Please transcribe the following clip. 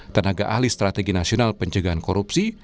tenaga ahli strategi nasional pencegahan korupsi